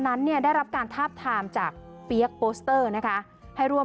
นั้นเนี่ยได้รับการทาบทามจากเปี๊ยกโปสเตอร์นะคะให้ร่วม